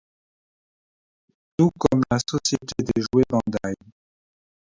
Tout comme la société des jouets Bandai.